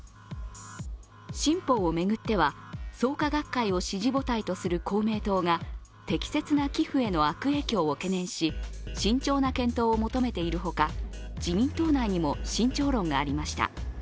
新法を巡っては、創価学会を支持母体とする公明党が適切な寄付への悪影響を懸念し、慎重な検討を求めているほか、自民党内にも慎重論がありました。